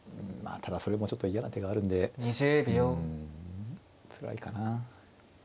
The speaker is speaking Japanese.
ただそれもちょっと嫌な手があるんでうんつらいかな。